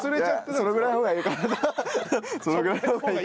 そのぐらいの方がいいかなと。